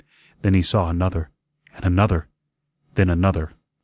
Then he saw another, and another; then another.